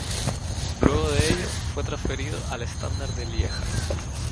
Luego de ello fue transferido al Standard de Lieja.